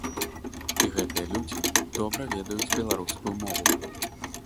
І гэтыя людзі добра ведаюць беларускую мову.